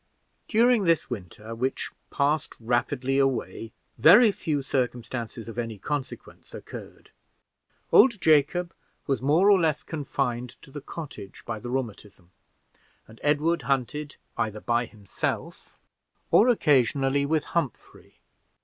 During this winter, which passed rapidly way very few circumstances of any consequence occurred. Old Jacob was more or less confined to the cottage by the rheumatism, and Edward hunted either by himself or occasionally with Humphrey.